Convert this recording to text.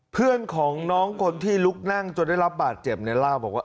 เพื่อนของน้องคนที่ลุกนั่งจนได้รับบาดเจ็บเนี่ยเล่าบอกว่า